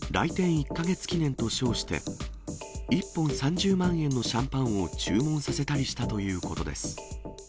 １か月記念と称して１本３０万円のシャンパンを注文させたりしたということです。